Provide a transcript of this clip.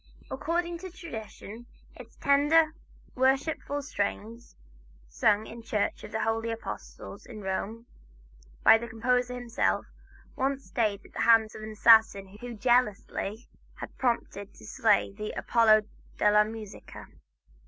According to tradition, its tender, worshipful strains sung in the church of the Holy Apostles, at Rome, by the composer himself, once stayed the hand of an assassin whom jealousy had prompted to slay the "Apollo della Musica."